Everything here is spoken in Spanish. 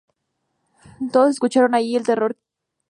Todos escucharon con terror lo que se dijo allí.